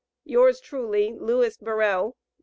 Yours truly, LEWIS BURRELL. No.